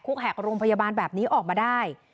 แหกโรงพยาบาลแบบนี้ออกมาได้